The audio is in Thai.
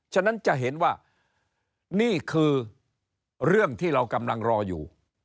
ฉะนั้นจะเห็นว่านี่คือเรื่องที่เรากำลังรออยู่